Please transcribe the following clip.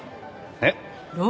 えっ？